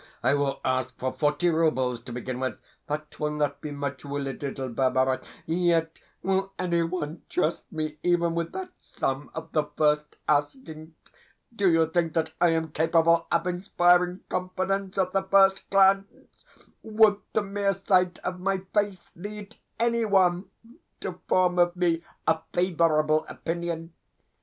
I will ask for forty roubles, to begin with. That will not be much, will it, little Barbara? Yet will any one trust me even with that sum at the first asking? Do you think that I am capable of inspiring confidence at the first glance? Would the mere sight of my face lead any one to form of me a favourable opinion?